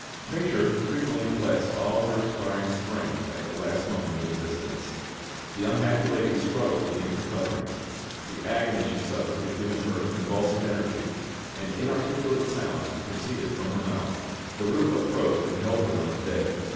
Nature frequently collects all her expiring strength at the last moment of existence. The unhappy lady struggled beneath her coverings; the agony she suffered had given her a convulsive energy, and inarticulate sounds proceeded from her mouth. Derues approached and held her on the bed.